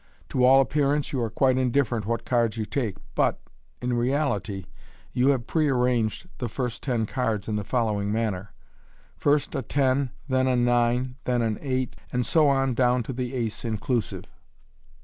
To a]) MODERN MAGIC. 105 appearance, you are quite indifferent what cards you take, but, in reality, you have pre arranged the first ten cards in the following manner :— First a ten, then a nine, then an eight, and so on down to the ace inclusive.